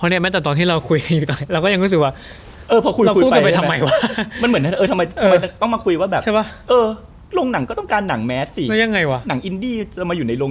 นี่ไงมาพูดเพื่อให้เห็นแบบจริงจริงอะ